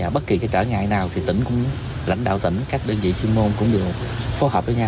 bất kỳ trở ngại nào thì tỉnh cũng lãnh đạo tỉnh các đơn vị chuyên môn cũng đều phối hợp với nhau